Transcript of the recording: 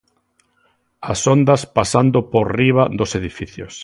As ondas pasando por riba dos edificios.